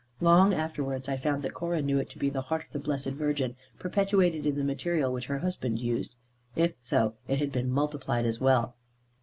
Long afterwards I found that Cora knew it to be the heart of the Blessed Virgin, perpetuated in the material which her husband used. If so, it had been multiplied as well.